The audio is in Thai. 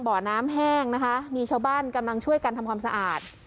บ่อน้ำแห้งนะคะมีชาวบ้านกำลังช่วยกันทำความสะอาด